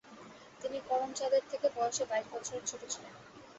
তিনি করমচাঁদের থেকে বয়সে বাইশ বছরের ছোট ছিলেন।